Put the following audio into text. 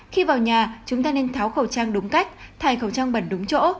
khi vào nhà chúng ta nên tháo khẩu trang đúng cách thải khẩu trang bẩn đúng chỗ